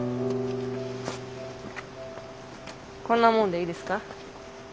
こんなもんでいいですか？